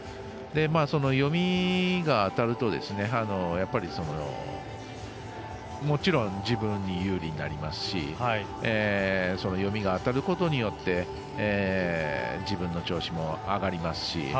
その読みが当たるともちろん自分に有利になりますし読みが当たることによって自分の調子も上がりますし。